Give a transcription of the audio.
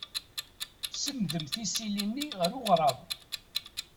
Senndemt isili-nni ɣer uɣrab.